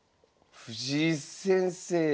藤井先生え